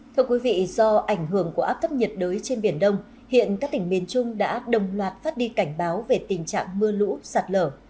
thưa quý vị do ảnh hưởng của áp thấp nhiệt đới trên biển đông hiện các tỉnh miền trung đã đồng loạt phát đi cảnh báo về tình trạng mưa lũ sạt lở